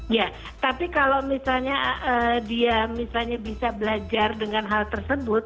ya tapi kalau misalnya dia misalnya bisa belajar dengan hal tersebut